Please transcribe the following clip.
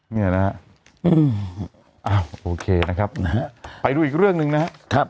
เนี่ยนะฮะอ้าวโอเคนะครับนะฮะไปดูอีกเรื่องหนึ่งนะครับ